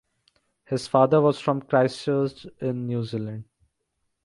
His father was from Christchurch in New Zealand.